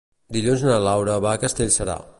Dilluns na Laura va a Castellserà.